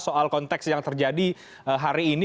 soal konteks yang terjadi hari ini